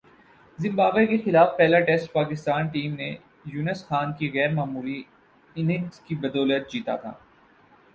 Zimbabwe کے خلاف پہلا ٹیسٹ پاکستانی ٹیم نے یونس خان کی غیر معمولی اننگز کی بدولت جیتا تھا